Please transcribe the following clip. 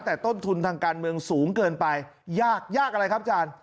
แต่ต้นทุนทางการเมืองสูงเกินไปยากยากอะไรครับอาจารย์